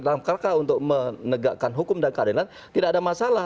dalam karka untuk menegakkan hukum dan keadilan tidak ada masalah